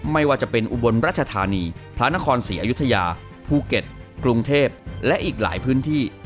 ไม่ว่าจะเป็นอุบลรัชธานีพระนครศรีอยุธยาภูเก็ตกรุงเทพและอีกหลายพื้นที่